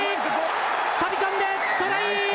飛び込んで、トライ。